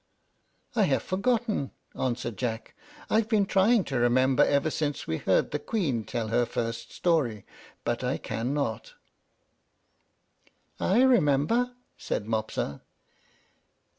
"I have forgotten," answered Jack. "I've been trying to remember ever since we heard the Queen tell her first story, but I cannot." "I remember," said Mopsa.